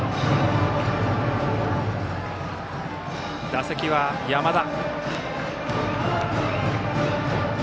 打席は山田。